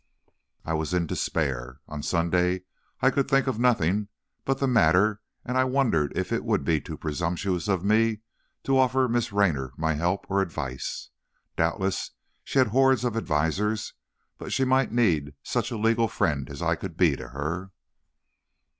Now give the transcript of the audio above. I was in despair. On Sunday, I could think of nothing but the matter and I wondered if it would be too presumptuous of me to offer Miss Raynor my help or advice. Doubtless she had hordes of advisers, but she might need such a legal friend as I could be to her.